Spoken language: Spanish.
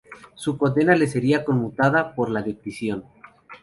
La condena le sería conmutada por la de prisión.